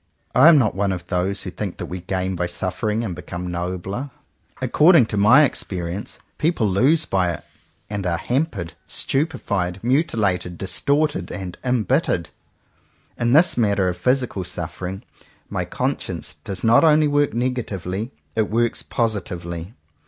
I am not one of those who think that we gain by suffering and become nobler. According to my ex 71 CONFESSIONS OF TWO BROTHERS perience, people lose by it and are hampered, stupified, mutilated, distorted, and em bittered. In this matter of physical suf fering, my conscience does not only work negatively; it works positively.